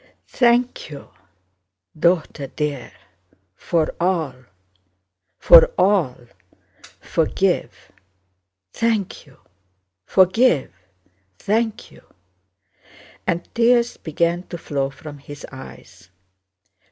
"Thank you... daughter dear!... for all, for all... forgive!... thank you!... forgive!... thank you!..." and tears began to flow from his eyes.